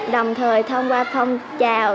đồng thời thông qua phong trào